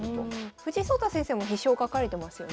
藤井聡太先生も「飛翔」書かれてますよね。